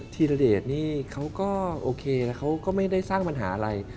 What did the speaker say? ธีรเดชนี่เขาก็โอเคแล้วเขาก็ไม่ได้สร้างปัญหาอะไร